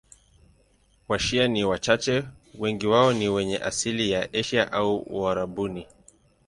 Washia ni wachache, wengi wao ni wenye asili ya Asia au Uarabuni.